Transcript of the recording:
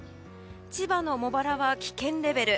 千葉の茂原は危険レベル。